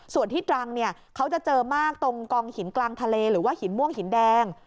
ส่วนที่ตรังเนี่ยเขาจะเจอมากตรงกองหินกลางทะเลหรือว่าหินม่วงหินแดง